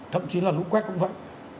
thậm chí là lũ quét cũng vậy